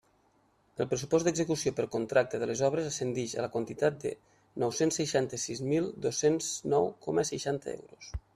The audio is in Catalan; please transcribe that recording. El pressupost d'execució per contracta de les obres ascendix a la quantitat de nou-cents seixanta-sis mil dos-cents nou coma seixanta euros.